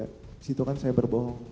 di situ kan saya berbohong